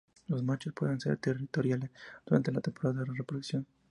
Los machos pueden ser territoriales durante la temporada de reproducción.